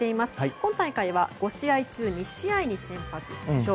今大会は５試合中２試合に先発出場。